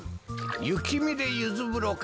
ゆきみでユズぶろか。